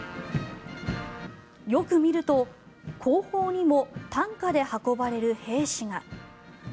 よく見ると後方にも担架で運ばれる兵士が。